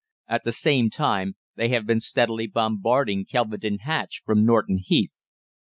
At the same time they have been steadily bombarding Kelvedon Hatch from Norton Heath.